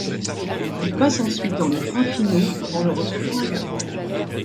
Il passe ensuite dans les freins finaux avant le retour dans la gare.